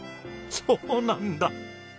そうなんだ。